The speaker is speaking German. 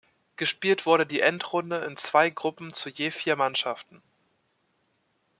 Gespielt wurde die Endrunde in zwei Gruppen zu je vier Mannschaften.